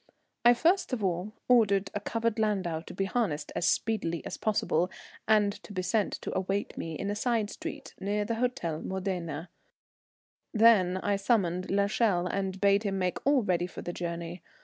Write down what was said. I first of all ordered a covered landau to be harnessed as speedily as possible, and to be sent to await me in a side street near the Hôtel Modena; then I summoned l'Echelle and bade him make all ready for the journey.